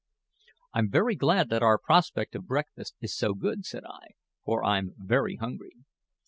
"I'm very glad that our prospect of breakfast is so good," said I, "for I'm very hungry."